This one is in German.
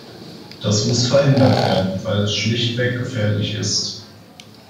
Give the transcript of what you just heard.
Das muss verhindert werden, weil es schlichtweg gefährlich ist.